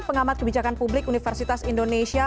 pengamat kebijakan publik universitas indonesia